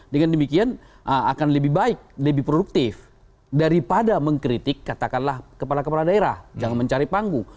dengan demikian akan lebih baik lebih produktif daripada mengkritik katakanlah kepala kepala daerah jangan mencari panggung